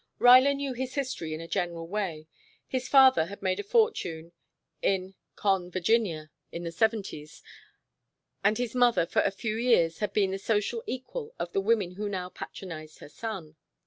Ruyler knew his history in a general way. His father had made a fortune in "Con. Virginia" in the Seventies, and his mother for a few years had been the social equal of the women who now patronized her son.